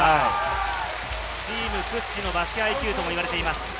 チーム屈指のバスケＩＱともいわれています。